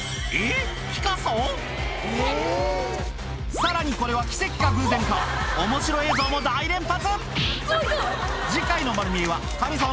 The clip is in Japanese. さらにこれは奇跡か偶然かおもしろ映像も大連発！